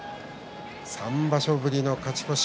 ３場所ぶりの勝ち越し